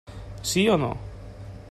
Sí o no?